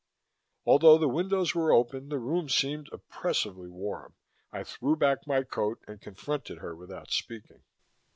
Although the windows were open, the room seemed oppressively warm. I threw back my coat and confronted her without speaking.